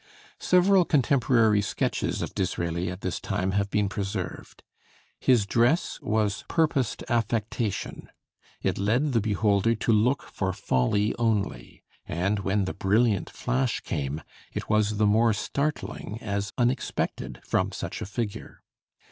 Several contemporary sketches of Disraeli at this time have been preserved. His dress was purposed affectation; it led the beholder to look for folly only: and when the brilliant flash came, it was the more startling as unexpected from such a figure.